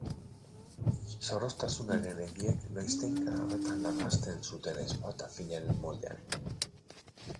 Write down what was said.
Zorroztasun haren hegiek noiztenka Agata larranzten zuten ezpata finaren moldean.